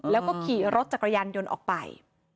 แล้วก็ขี่รถจักรยานยนต์ออกไป